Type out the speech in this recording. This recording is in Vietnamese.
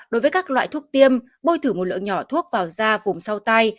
đối với các loại thuốc tiêm bôi thử một lượng nhỏ thuốc vào da vùng sau tay